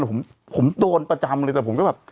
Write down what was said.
แต่ผมโดนประจำเลยแต่ผมก็แบบ